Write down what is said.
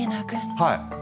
はい！